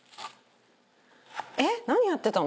えっ何やってたの？